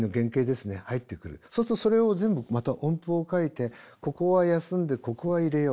そうするとそれを全部また音符を書いてここは休んでここは入れよう。